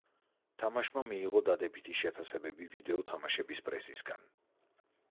თამაშმა მიიღო დადებითი შეფასებები ვიდეო თამაშების პრესისგან.